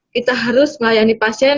kita harus melayani pasien